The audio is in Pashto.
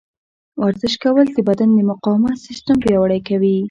ورزش کول د بدن د مقاومت سیستم پیاوړی کوي.